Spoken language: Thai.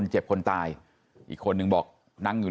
ใช่โดนยิงทั้งคู่